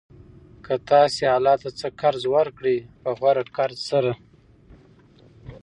كه تاسي الله ته څه قرض ورکړئ په غوره قرض سره